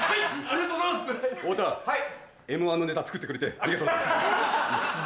「Ｍ−１」のネタ作ってくれてありがとうな。